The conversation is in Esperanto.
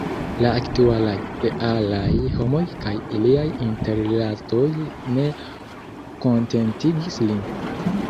La aktualaj, realaj homoj kaj iliaj interrilatoj ne kontentigis lin.